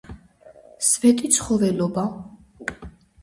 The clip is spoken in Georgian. სვეტიცხოველობა